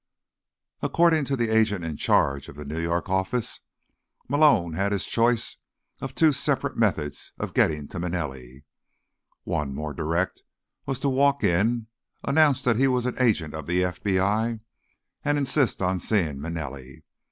According to the agent in charge of the New York office, Malone had his choice of two separate methods of getting to Manelli. One, more direct, was to walk in, announce that he was an agent of the FBI, and insist on seeing Manelli.